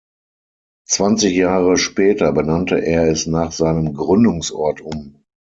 Zwanzig Jahre später benannte er es nach seinem Gründungsort um.